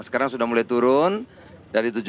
sekarang sudah mulai turun dari rp tujuh puluh lima